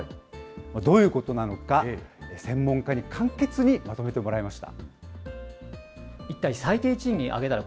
どういうことなのか、専門家に簡潔にまとめてもらいました。